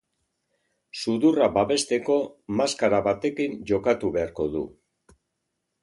Sudurra babesteko maskara batekin jokatu beharko du.